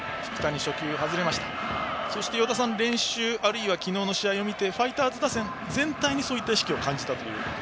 そして与田さん練習あるいは昨日の試合を見てファイターズ打線全体にそういった意識を感じたと。